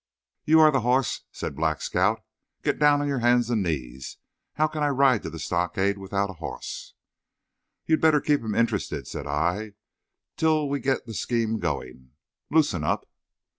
"You are the hoss," says Black Scout. "Get down on your hands and knees. How can I ride to the stockade without a hoss?" "You'd better keep him interested," said I, "till we get the scheme going. Loosen up."